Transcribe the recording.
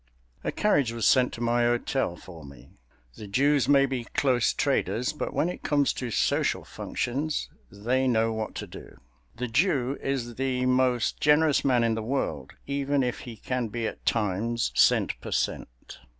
A carriage was sent to my hotel for me. The Jews may be close traders, but when it comes to social functions, they know what to do. The Jew is the most generous man in the world, even if he can be at times cent per cent.